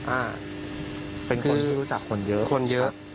อ่าเป็นคนที่รู้จักคนเยอะ